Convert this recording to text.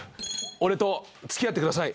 俺と付き合ってください。